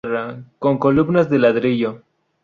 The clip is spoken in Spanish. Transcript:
Con columnas de ladrillo.